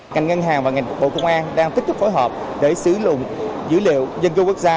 ngành ngân hàng và ngành bộ công an đang tích cực phối hợp để xử lụng dữ liệu dân gương quốc gia